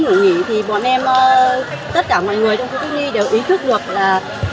nghỉ thì bọn em tất cả mọi người trong khu cách ly đều ý thức được là